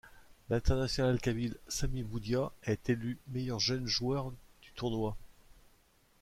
L’international kabyle Sami Boudia est élu meilleur jeune joueur du tournoi.